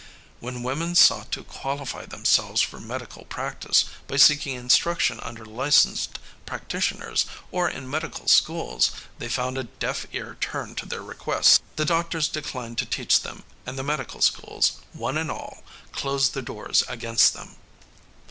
When women sought to qualify themselves for medical practice by seeking instruction under licenced practitioners or in medical schools, they found a deaf ear turned to their requests. The doctors declined to teach them and the medical schools, one and all, closed their doors against them.